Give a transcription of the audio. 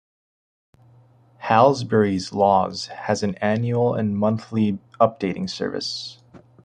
"Halsbury's Laws" has an annual and monthly updating service.